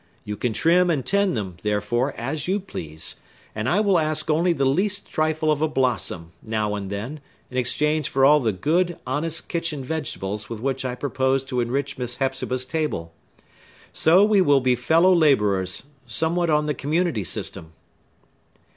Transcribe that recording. You can trim and tend them, therefore, as you please; and I will ask only the least trifle of a blossom, now and then, in exchange for all the good, honest kitchen vegetables with which I propose to enrich Miss Hepzibah's table. So we will be fellow laborers, somewhat on the community system."